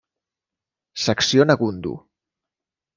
Secció Negundo.